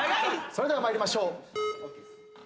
それでは参りましょう。